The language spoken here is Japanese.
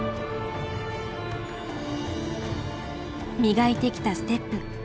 磨いてきたステップ。